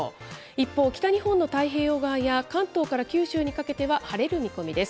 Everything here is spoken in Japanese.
一方、北日本の太平洋側や関東から九州にかけては晴れる見込みです。